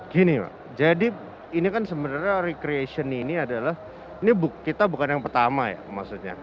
gini pak jadi ini kan sebenarnya recreation ini adalah ini kita bukan yang pertama ya maksudnya